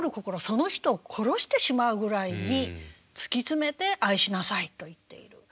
その人を殺してしまうぐらいに突き詰めて愛しなさいと言っている。